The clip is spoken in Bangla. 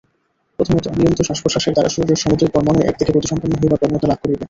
প্রথমত নিয়মিত শ্বাসপ্রশ্বাসের দ্বারা শরীরের সমুদয় পরমাণুই একদিকে গতিসম্পন্ন হইবার প্রবণতা লাভ করিবে।